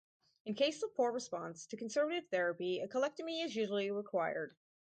In case of poor response to conservative therapy, a colectomy is usually required.